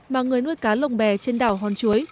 mà người nuôi cá lồng bè trên đảo hòn chuối